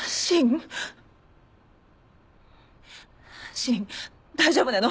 芯大丈夫なの？